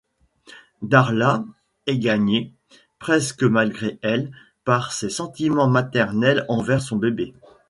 Darla est gagnée, presque malgré elle, par ses sentiments maternels envers son bébé.